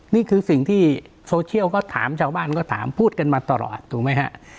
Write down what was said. นี่คือสิ่งที่โซเชียลก็ถามชาวบ้านก็ถามพูดกันมาตลอดถูกไหมฮะ